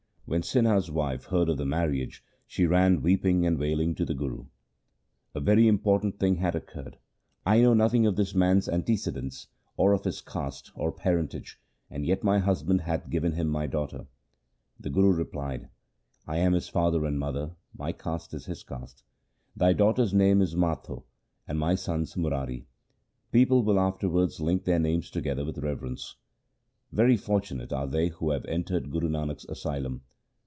When Sinha' s wife heard of the marriage she ran weeping and wailing to the Guru. ' A very im proper thing hath occurred! I know nothing of this LIFE OF GURU AMAR DAS 133 man's antecedents, or of his caste, or parentage, and yet my husband hath given him my daughter !' The Guru replied, ' I am his father and mother, my caste is his caste. Thy daughter's name is Matho and my son's Murari. People will afterwards link their names together with reverence. Very fortunate are they who have entered Guru Nanak's asylum.'